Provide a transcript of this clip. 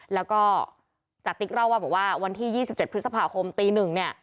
แล้วก็จติ๊กเล่าว่าบอกว่าวันที่๒๗พฤษภาคมตี๑เนี่ย